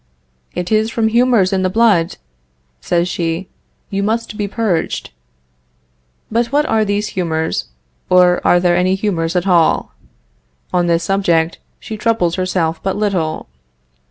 "It is from humors in the blood," says she, "you must be purged." But what are these humors, or are there any humors at all? On this subject she troubles herself but little.